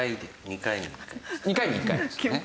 ２回に１回ですね。